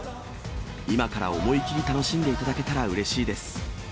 今から思い切り、楽しんでいただけたらうれしいです。